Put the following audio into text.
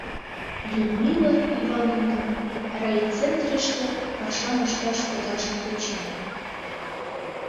Людмила Ивановнам райцентрыште пашам ышташ кодаш тӧченыт.